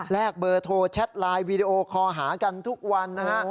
เบอร์โทรแชทไลน์วีดีโอคอหากันทุกวันนะฮะ